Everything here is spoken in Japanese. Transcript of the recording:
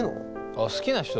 あっ好きな人？